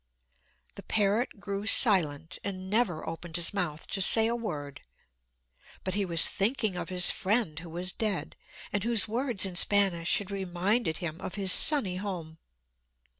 The parrot grew silent, and never opened his mouth to say a word. But he was thinking of his friend who was dead, and whose words in Spanish had reminded him of his sunny home.